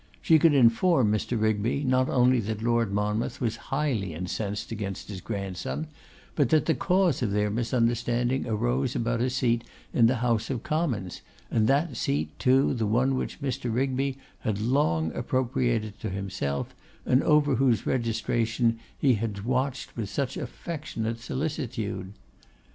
She could inform Mr. Rigby not only that Lord Monmouth was highly incensed against his grandson, but that the cause of their misunderstanding arose about a seat in the House of Commons, and that seat too the one which Mr. Rigby had long appropriated to himself, and over whose registration he had watched with such affectionate solicitude.